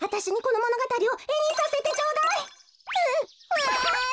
わい！